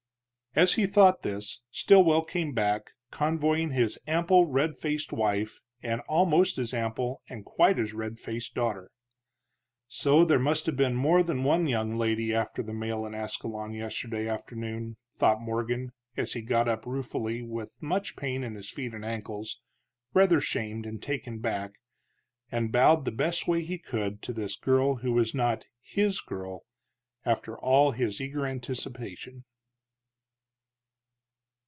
As he thought this, Stilwell came back, convoying his ample red faced wife, and almost as ample, and quite as red faced, daughter. So, there must have been more than one young lady after mail in Ascalon yesterday afternoon, thought Morgan, as he got up ruefully, with much pain in his feet and ankles, rather shamed and taken back, and bowed the best way he could to this girl who was not his girl, after all his eager anticipation.